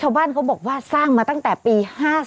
ชาวบ้านเขาบอกว่าสร้างมาตั้งแต่ปี๕๔